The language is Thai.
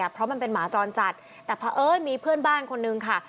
เพราะมันเป็นหมาจรจัดแต่เพราะเอิญมีเพื่อนบ้านคนนึงค่ะ